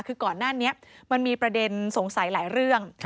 คือก่อนหน้านี้มันมีประเด็นสงสัยหลายเรื่อง